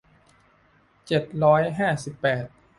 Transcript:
เจ็ดร้อยห้าสิบแปด